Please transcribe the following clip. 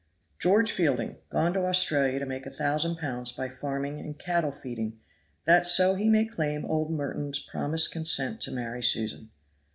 George Fielding gone to Australia to make a thousand pounds by farming and cattle feeding, that so he may claim old Merton's promised consent to marry Susan.